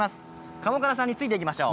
加茂加奈さんについて行きましょう。